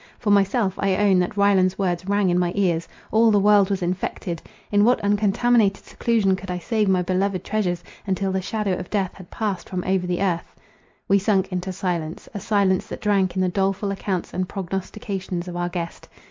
For myself, I own that Ryland's words rang in my ears; all the world was infected;—in what uncontaminated seclusion could I save my beloved treasures, until the shadow of death had passed from over the earth? We sunk into silence: a silence that drank in the doleful accounts and prognostications of our guest.